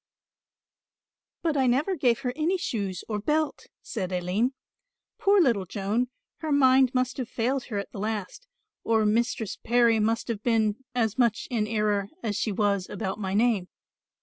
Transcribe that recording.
Named. "But I never gave her any shoes or belt," said Aline. "Poor little Joan, her mind must have failed her at the last, or Mistress Parry must have been as much in error as she was about my name.